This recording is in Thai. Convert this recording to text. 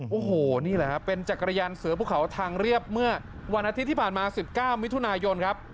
โอ้โหนี่แหละครับเป็นจักรยานเสือภูเขาทางเรียบเมื่อวันอาทิตย์ที่ผ่านมา๑๙มิถุนายนครับ